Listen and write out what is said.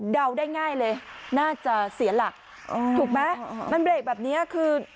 ได้ง่ายเลยน่าจะเสียหลักถูกไหมมันเบรกแบบเนี้ยคือ